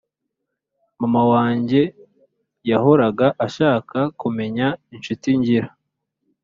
mama wanjye yahoraga ashaka kumenya inshuti ngira